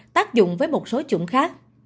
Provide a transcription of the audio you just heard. tác dụng với một số chủng khác